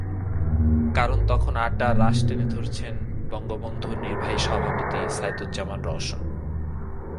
কারণ, তখন আড্ডার রাশ টেনে ধরেছেন বন্ধুসভার নির্বাহী সভাপতি সাইদুজ্জামান রওশন।